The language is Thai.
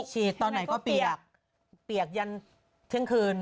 ตอนไหนก็เปียกเปียกยันเที่ยงคืน